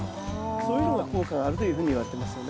そういうのが効果があるというふうにいわれてますよね。